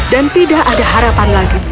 dan tidak ada harapan lagi